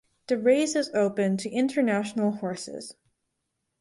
The race is open to international horses.